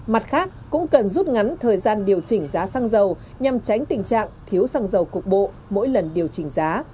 mặt khác cũng cần rút ngắn thời gian điều chỉnh giá xăng dầu nhằm tránh tình trạng thiếu xăng dầu cục bộ mỗi lần điều chỉnh giá